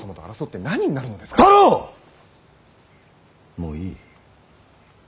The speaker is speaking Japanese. もういい。